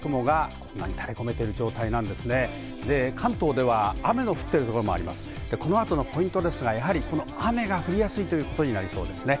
この後のポイントは雨が降りやすいということになりそうです。